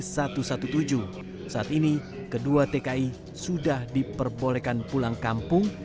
saat ini kedua tki sudah diperbolehkan pulang kampung